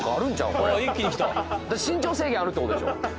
これ身長制限あるってことでしょ？